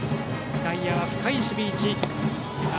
外野、深い守備位置。